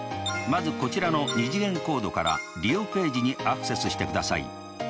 まずこちらの２次元コードから利用ページにアクセスしてください。